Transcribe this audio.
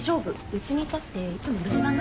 うちにいたっていつもお留守番だから。